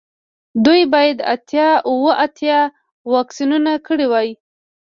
دوی باید اتیا اوه اتیا ته واکسینونه کړي وای